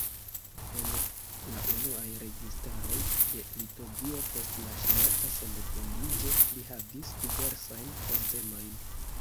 En la unuaj registaroj de Litovio post la ŝtata sendependiĝo li havis diversajn postenojn.